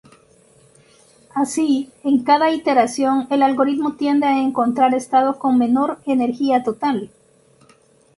Así, en cada iteración el algoritmo tiende a encontrar estados con menor energía total.